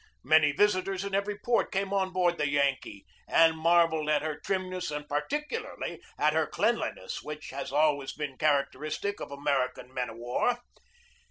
Many visitors in every port came on board the "Yankee" and marvelled at her trimness and particularly at her cleanliness, which has always been characteristic of American men of war.